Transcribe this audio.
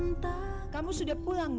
ntar kamu sudah pulang nak